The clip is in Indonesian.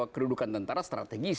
kedudukan tentara strategis